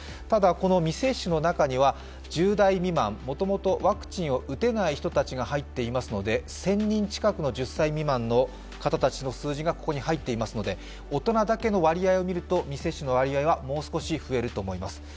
ただ、この未接種の中には１０代未満もともとワクチンを打てない人たちが入っていますので１０００人近くの１０歳未満の方たちの数字がここに入っていますので大人だけの割合を見ると未接種の割合はもう少し増えると思います。